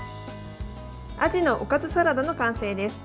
アジのおかずサラダの完成です。